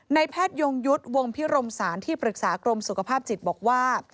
แพทยงยุทธ์วงพิรมศาลที่ปรึกษากรมสุขภาพจิตบอกว่า